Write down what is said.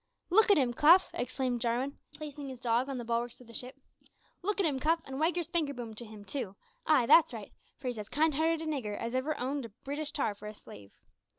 "Look at 'im, Cuff" exclaimed Jarwin, placing his dog on the bulwarks of the ship, "look at him, Cuff, and wag your `spanker boom' to him, too ay, that's right for he's as kind hearted a nigger as ever owned a Breetish tar for a slave."